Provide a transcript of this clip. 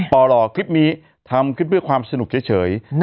หล่อคลิปนี้ทำขึ้นเพื่อความสนุกเฉย